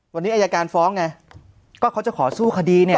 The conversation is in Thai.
วันนี้อายการฟ้องไงก็เขาจะขอสู้คดีเนี่ย